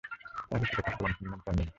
তার রচিত কাব্যগ্রন্থের নাম "চন্দ্রাবতী"।